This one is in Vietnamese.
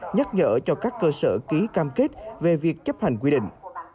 nhắc nhở cho các cơ sở ký cam kết về việc chấp hành quy định